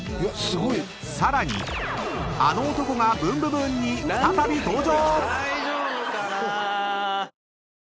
［さらにあの男が『ブンブブーン！』に再び登場！］